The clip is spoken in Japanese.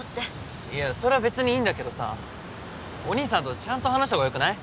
いやそりゃ別にいいんだけどさお兄さんとちゃんと話したほうがよくない？